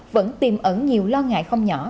vẫn tìm ẩn nhiều lo ngại không nhỏ